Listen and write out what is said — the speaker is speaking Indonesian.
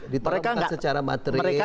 ditolak secara materi